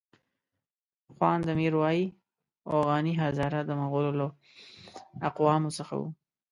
خواند امیر وایي اوغاني هزاره د مغولو له اقوامو څخه وو.